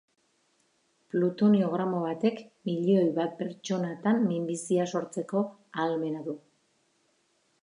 Plutonio gramo batek milioi bat pertsonetan minbizia sortzeko ahalmena du.